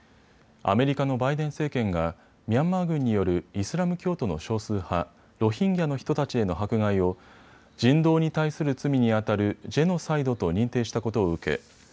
アメリカのバイデン政権がミャンマー軍によるイスラム教徒の少数派、ロヒンギャの人たちへの迫害を人道に対する罪にあたるジェノサイドと認定したことを受け